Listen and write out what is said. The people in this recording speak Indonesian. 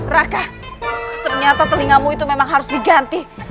raka ternyata telingamu itu memang harus diganti